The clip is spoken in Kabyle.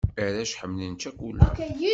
Arrac ḥemmlen ccakula.